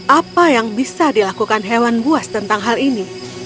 apa yang bisa dilakukan hewan buas tentang hal ini